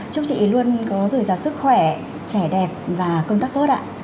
chúc chị luôn có rời ra sức khỏe trẻ đẹp và công tác tốt ạ